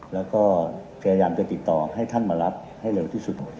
แล้วก็พยายามจะติดต่อให้ท่านมารับให้เร็วที่สุด